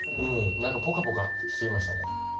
なんかポカポカしてきましたね。